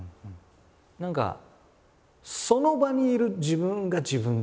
何かその場にいる自分が自分ですみたいな。